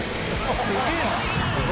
すげぇな。